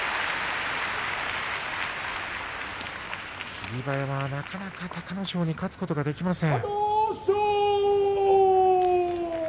霧馬山は、なかなか隆の勝に勝つことができません。